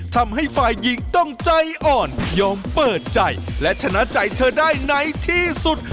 ทำให้ฝ่ายหญิงต้องใจอ่อนยอมเปิดใจและชนะใจเธอได้ในที่สุด